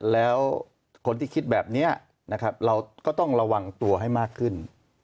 แล้วคนที่คิดแบบนี้นะครับเราก็ต้องระวังตัวให้มากขึ้น